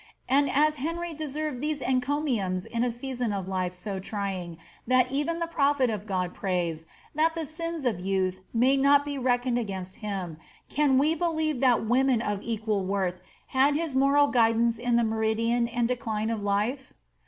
And as Henry deserved these encomiums in a season of life so trying, that even the prophet of God prays that ^ the sins of youth" may not be leck* oDed against him, can we believe that women of equal worth had his moral guicbnce in the meridian and decline of life